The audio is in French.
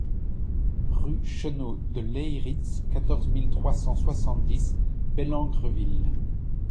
Rue Cheneaux de Leyritz, quatorze mille trois cent soixante-dix Bellengreville